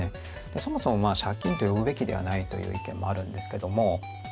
そもそも借金と呼ぶべきではないという意見もあるんですけども。